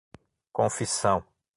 confissão